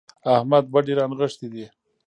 احمد بډې رانغښتې دي.